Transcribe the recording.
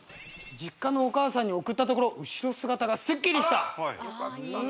「実家のお母さんに送ったところ後ろ姿がスッキリした」あら！